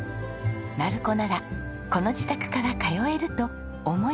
鳴子ならこの自宅から通えると思い込んでいたのですが。